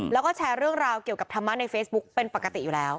แล้วก็แชร์เรื่องราวเกี่ยวกับธรรมะในเฟซบุ๊กเป็นปกติอยู่แล้ว